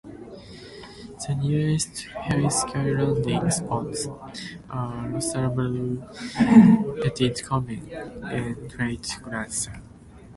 The nearest heli-ski landing spots are Rosablanche, Petit Combin, and Trient Glacier.